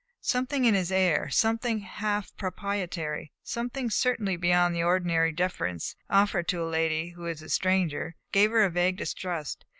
Something in his air, something half propitiatory, something certainly beyond the ordinary deference offered to a lady who is a stranger, gave her a vague distrust.